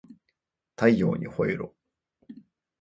太陽にほえろ